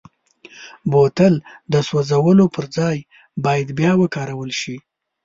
بوتل د سوزولو پر ځای باید بیا وکارول شي.